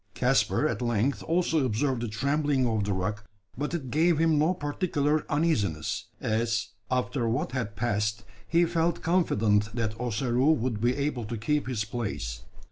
Caspar at length also observed the trembling of the rock, but it gave him no particular uneasiness: as, after what had passed, he felt confident that Ossaroo would be able to keep his place.